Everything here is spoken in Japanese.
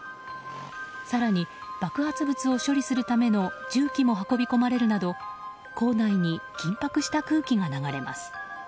更に、爆発物を処理するための重機も運び込まれるなど校内に緊迫した空気が流れます。